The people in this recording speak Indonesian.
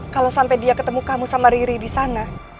kalau sampai dia ketemu kamu sama riri di sana